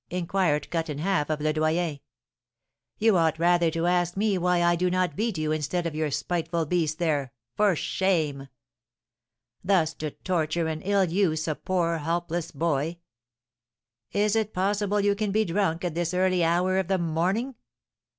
inquired Cut in Half of Le Doyen. 'You ought rather to ask me why I do not beat you instead of your spiteful beast there; for shame! Thus to torture and ill use a poor helpless boy! Is it possible you can be drunk at this early hour of the morning?'